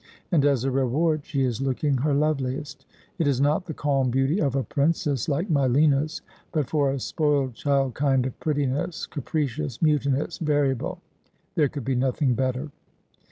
' And as a reward she is looking her loveliest. It is not the calm beauty of a princess, like my Lina's ; but for a spoiled child kind of prettiness, capricious, mutinous, variable, there could be nothing better.'